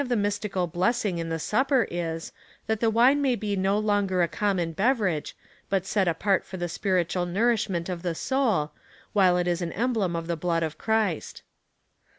335 mystical blessing in tlie Supper is, that the wine may be no longer a common beverage, but set apart for the spiritual nourishment of the soul, while it is an emblem of the blood of Christ.